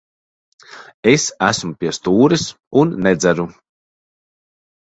Es esmu pie stūres un nedzeru.